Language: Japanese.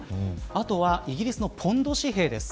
あとはイギリスのポンド紙幣です。